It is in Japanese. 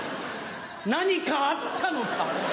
何かあったのか？